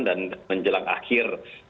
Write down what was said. dan menjelang akhir